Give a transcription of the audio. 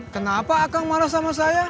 kenapa akan marah sama saya